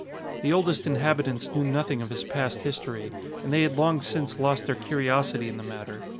The oldest inhabitants knew nothing of his past history, and they had long since lost their curiosity in the matter.